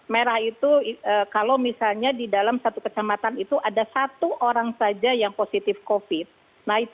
merah itu kalau misalnya di dalam satu kecamatan itu ada satu orang saja yang positif covid sembilan belas